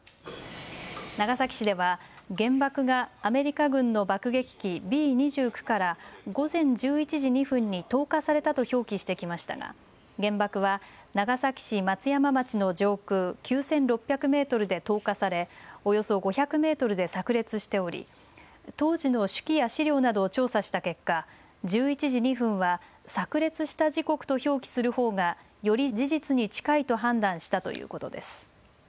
長崎市では原爆がアメリカ軍の爆撃機Ｂ２９から午前１１時２分に投下されたと表記してきましたが原爆は長崎市松山町の上空９６００メートルで投下されおよそ５００メートルでさく裂しており当時の手記や資料などを調査した結果、１１時２分はさく裂した時刻と表記するほうがより事実に近いと判断したということです。